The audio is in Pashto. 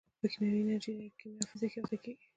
په کیمیاوي انجنیری کې کیمیا او فزیک یوځای کیږي.